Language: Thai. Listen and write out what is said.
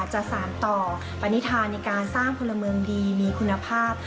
จะสารต่อปณิธาในการสร้างพลเมืองดีมีคุณภาพ